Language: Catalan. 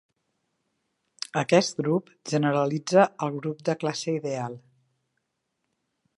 Aquest grup generalitza el grup de classe ideal.